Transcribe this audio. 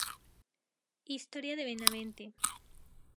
Historia de Benavente.